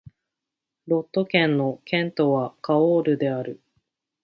ロット県の県都はカオールである